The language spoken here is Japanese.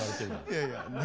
いやいやねっ。